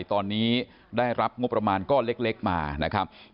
ตอนนี้ได้รับงบประมาณก้อนเล็กมานะครับ